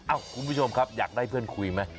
คุณผู้ชมครับอยากได้เพื่อนคุยไหม